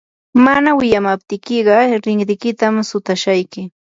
mana wiyamaptiyki rinrikitam sutashayki.